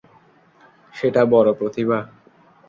সেটা বড় প্রতিভা।